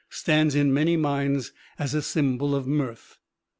stands in many minds as a symbol of mirth.